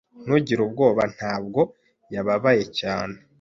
Ntugire ubwoba. Ntabwo yababaye cyane.